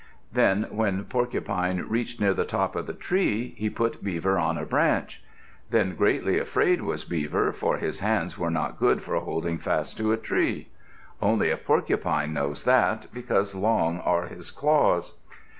Then when Porcupine reached near the top of the tree, he put Beaver on a branch. Then greatly afraid was Beaver for his hands were not good for holding fast to a tree. Only a Porcupine knows that, because long are his claws.